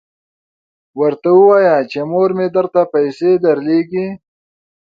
ورته ووایه چې مور مې درته پیسې درلیږي.